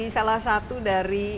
salah satu dari